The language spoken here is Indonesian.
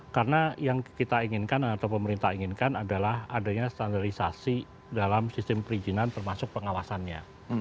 karena yang kita inginkan atau pemerintah inginkan adalah adanya standarisasi dalam sistem perizinan termasuk pengawasannya